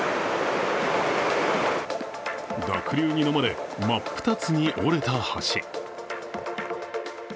濁流にのまれ真っ二つに折れた橋。